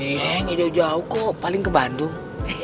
geng nggak jauh jauh kok paling ke bandung